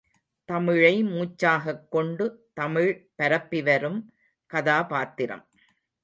தமிழை மூச்சாகக் கொண்டு தமிழ் பரப்பிவரும் கதாபாத்திரம்.